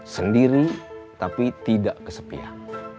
sendiri tapi tidak kesepian